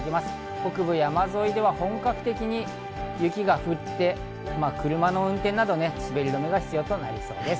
北部、山沿いでは本格的に雪が降って車の運転など滑り止めが必要となりそうです。